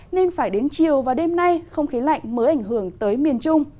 nên phải đến chiều và đêm nay không khí lạnh mới ảnh hưởng tới miền trung